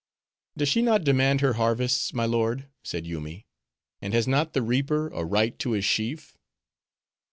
"Does she not demand her harvests, my lord?" said Yoomy, "and has not the reaper a right to his sheaf?"